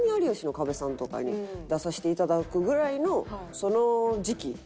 『有吉の壁』さんとかに出させていただくぐらいのその時期。